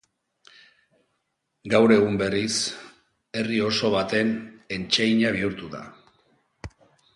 Gaur egun, berriz, herri oso baten entseina bihurtu da.